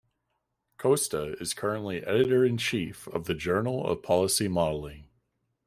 Costa is currently Editor-in-Chief of the Journal of Policy Modelling.